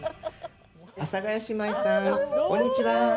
阿佐ヶ谷姉妹さんこんにちは。